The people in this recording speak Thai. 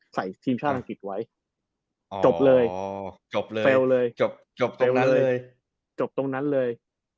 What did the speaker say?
ใส่ทีมชาติอังกฤษไว้จบเลยเฟลเลยจบตรงนั้นเลย